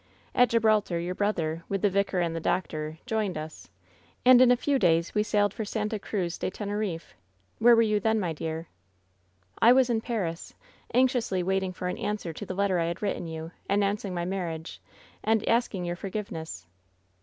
At Gibraltar your brother, with the vicar and the doctor, joined us; and in a few days we sailed for Santa Cruz de Teneriffe. Where were you then, my dear V " 'I was in Paris — anxiously waiting for an answer to the letter I had written you, announcing my marriage and asking your forgiveness.'